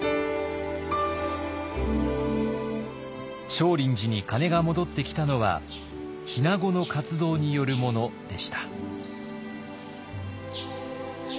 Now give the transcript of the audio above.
少林寺に鐘が戻ってきたのは日名子の活動によるものでした。